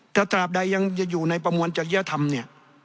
ถ้าตราบใดยังจะอยู่ในประมวลจริยธรรมเนี่ย